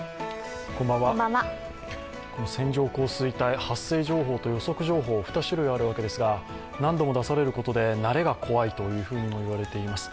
線状降水帯、発生情報と予測情報の２種類あるわけですが、何度も出されることで慣れが怖いとも言われています。